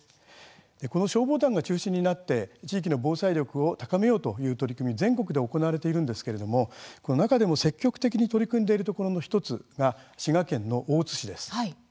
この消防団が中心になって地域の防災力を高めようという取り組み、全国で行われているんですけれども中でも積極的に取り組んでいるところの１つが滋賀県の大津市です。